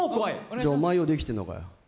じゃあ、お前、用意できてんのかよ？